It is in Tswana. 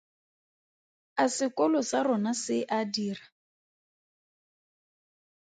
A sekolo sa rona se a dira?